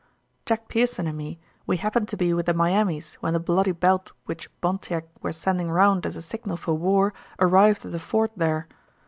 "Jack Pearson and me, we happened to be with the Miamis when the bloody belt which Pontiac were sending round as a signal for war arrived at the fort there.